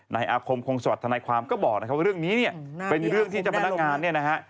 ในอาคมคงสวัสดิ์ในความก็บอกว่าเรื่องนี้เป็นเรื่องที่จับมนักงาน